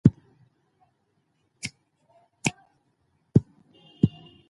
افغانستان د مېوې د ترویج لپاره پروګرامونه لري.